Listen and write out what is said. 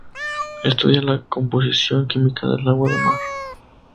Estudia la composición química del agua de mar.